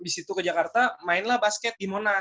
habis itu ke jakarta mainlah basket di monas